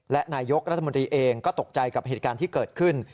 และนายกรัฐมนตรีเองก็ตกใจกับเหตุการณ์ที่เกิดขึ้น